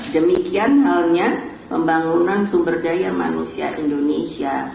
demikian halnya pembangunan sumber daya manusia indonesia